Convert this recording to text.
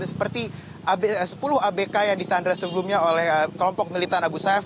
seperti sepuluh abk yang disandra sebelumnya oleh kelompok militan abu sayyaf